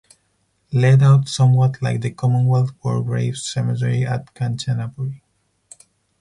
Laid out somewhat like the Commonwealth War Graves cemetery at Kanchanaburi.